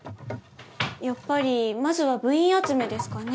やっぱりまずは部員集めですかね。